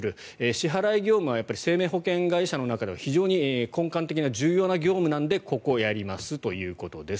支払い業務は生命保険会社の中では非常に根幹的な重要な業務なのでここをやりますということです。